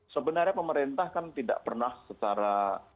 sebenarnya pemerintah kan tidak pernah secara